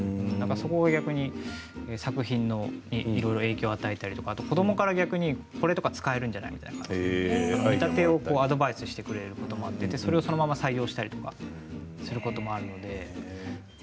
そこは逆に作品にいろいろ影響与えたりとか、あと子どもから逆に「これとか使えるんじゃない？」みたいな感じで見立てをアドバイスしてくれることもあって、それをそのまま採用したりとかすることもあるので。